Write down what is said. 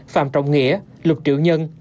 phạm trọng nghĩa lục triệu nhân